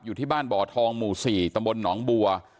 อยู่ที่บ้านบ่อทองหมู่๔ตำบลหนองบัว